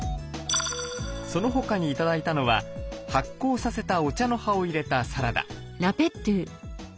その他に頂いたのは発酵させたお茶の葉を入れたサラダ。